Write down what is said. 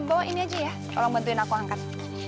bawa ini aja ya tolong bantuin aku angkat